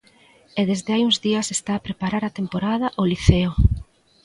E desde hai uns días está a preparar a temporada o Liceo.